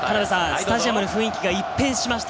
スタジアムの雰囲気が一変しました。